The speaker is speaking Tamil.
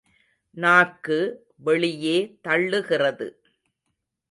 நாக்கு வெளியே தள்ளுகிறது.